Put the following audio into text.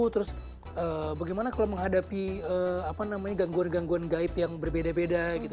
terus bagaimana kalo menghadapi apa namanya gangguan gangguan gaib yang berbeda beda gitu